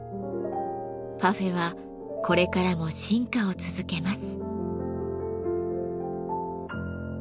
パフェはこれからも進化を続けます。